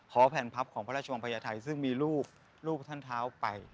แผ่นพับของพระราชวังพญาไทยซึ่งมีลูกท่านเท้าไป